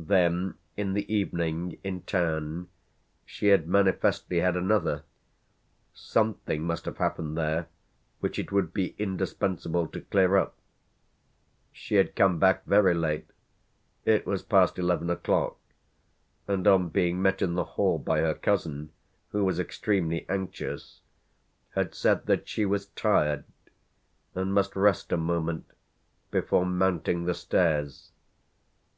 Then in the evening, in town, she had manifestly had another: something must have happened there which it would be indispensable to clear up. She had come back very late it was past eleven o'clock, and on being met in the hall by her cousin, who was extremely anxious, had said that she was tired and must rest a moment before mounting the stairs.